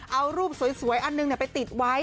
เอารูปสวยอันหนึ่งไปติดไว้